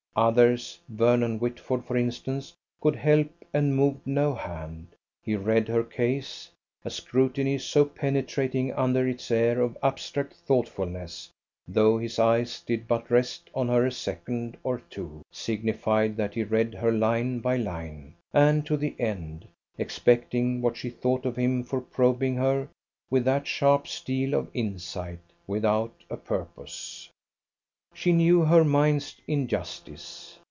Others, Vernon Whitford, for instance, could help, and moved no hand. He read her case. A scrutiny so penetrating under its air of abstract thoughtfulness, though his eyes did but rest on her a second or two, signified that he read her line by line, and to the end excepting what she thought of him for probing her with that sharp steel of insight without a purpose. She knew her mind's injustice.